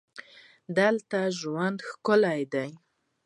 دلته ژوند ښکلی دی.